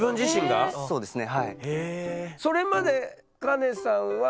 そのそうですね。